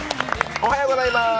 おはようございます。